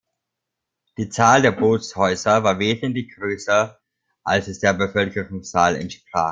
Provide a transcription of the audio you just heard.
Die Zahl der Bootshäuser war wesentlich größer als es der Bevölkerungszahl entsprach.